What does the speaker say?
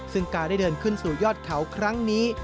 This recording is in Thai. ซึ่งการได้เดินขึ้นสู่ยอดเขาครั้งนี้